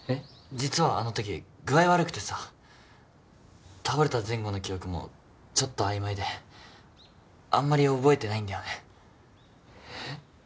実はあのとき具合悪くてさ倒れた前後の記憶もちょっと曖昧であんまり覚えてないんだよねへっ？